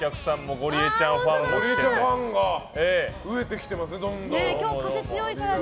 ゴリエちゃんファンが増えてきていますね。